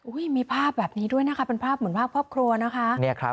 มีภาพแบบนี้ด้วยนะคะเป็นภาพเหมือนภาพครอบครัวนะคะ